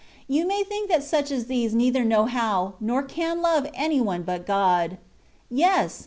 You may think that such as these neither know how, nor can love any one but God. Yes